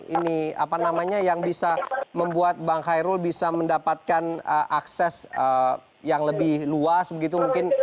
ini apa namanya yang bisa membuat bang khairul bisa mendapatkan akses yang lebih luas begitu mungkin